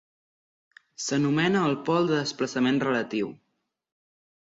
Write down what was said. S'anomena el pol de desplaçament relatiu.